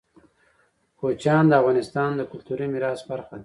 کوچیان د افغانستان د کلتوري میراث برخه ده.